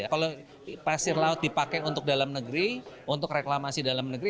kalau pasir laut dipakai untuk reklamasi dalam negeri